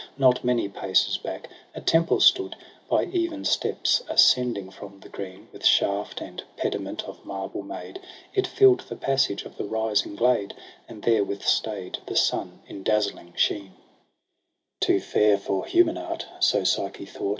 Not many paces back a temple stood. By even steps ascending from the green ; With shaft and pediment of marble made. It fill'd the passage of the rising glade. And there withstay'd the sun in dazzling sheen. MAY 99 6 Too fair for human art, so Psyche thought.